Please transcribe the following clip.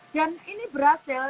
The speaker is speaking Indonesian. dan ini berhasil